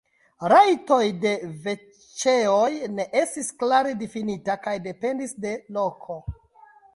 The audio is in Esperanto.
Rajtoj de veĉeoj ne estis klare difinitaj kaj dependis de loko.